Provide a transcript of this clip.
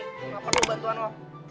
gak perlu bantuan lo